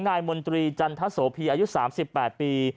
มนตรีจันทโสพีอายุ๓๘ปี